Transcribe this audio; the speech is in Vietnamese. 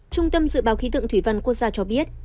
trung tâm dự báo khí tượng thủy văn quốc gia cho biết